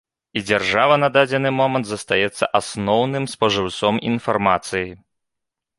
І дзяржава на дадзены момант застаецца асноўным спажыўцом інфармацыі.